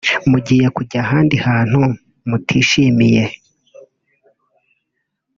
mugiye kujya ahandi hantu mutishimiye